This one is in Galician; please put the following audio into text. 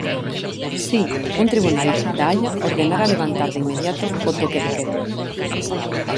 Si, un tribunal da Haia ordenara levantar de inmediato o toque de queda.